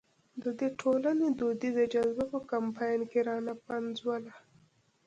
ده د ټولنې دودیزه جذبه په کمپاین کې را نه پنځوله.